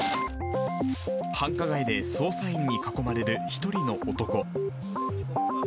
繁華街で捜査員に囲まれる１人の男。